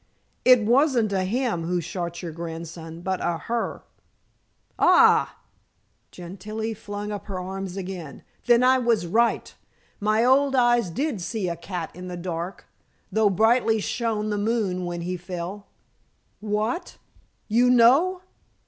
"It wasn't a him who shot your grandson, but a her." "Hai!" Gentilla flung up her arms again, "then I was right. My old eyes did see like a cat in the dark, though brightly shone the moon when he fell." "What? You know?"